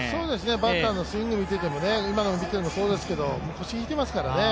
バッターのスイングを見ていても、今の見ててもそうですけど、腰引いてますからね。